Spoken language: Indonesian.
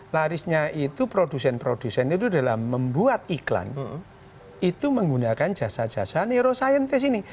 larisnya itu produsen produsen itu dalam membuat iklan itu menggunakan jasa jasa neuroscientist ini